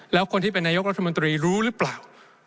แล้วคนที่เป็นนายกรัฐมนตรีรู้หรือเปล่า